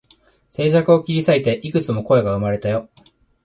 静寂を切り裂いて、幾つも声が生まれたよ